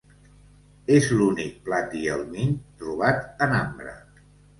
És l'únic platihelmint trobat en ambre.